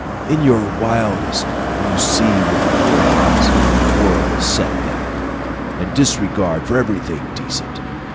In your wildness you see with four eyes a horrible setback and disregard for everything decent.